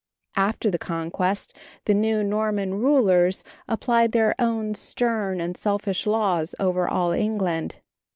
After the Conquest the new Norman rulers applied their own stern and selfish laws over all England.